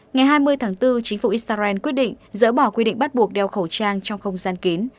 ngày hai mươi tháng bốn chính phủ israel quyết định dỡ bỏ quy định bắt buộc đeo khẩu trang trong không gian kín